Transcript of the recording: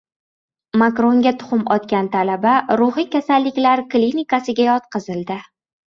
Makronga tuxum otgan talaba ruhiy kasalliklar klinikasiga yotqizildi